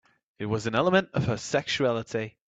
It was an element of her sexuality.